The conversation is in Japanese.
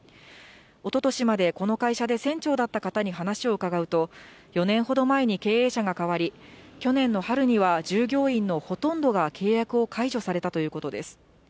おととしまでこの会社で船長だった方に話を伺うと、４年ほど前に経営者が代わり、去年の春には従業員のほとんどが契約を解除されたということです。